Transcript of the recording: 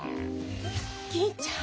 銀ちゃん。